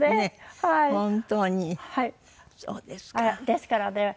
ですからね